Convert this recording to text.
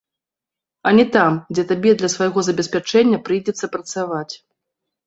А не там, дзе табе для свайго забеспячэння прыйдзецца працаваць.